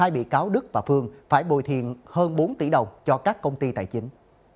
hai bị cáo đức và phương phải bồi thiện hơn bốn tỷ đồng cho các công ty tài chính